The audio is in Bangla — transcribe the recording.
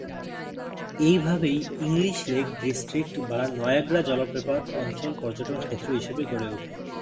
এইভাবেই ইংলিশ লেক ডিস্ট্রিক্ট বা নায়াগ্রা জলপ্রপাত অঞ্চল পর্যটন ক্ষেত্র হিসেবে গড়ে ওঠে।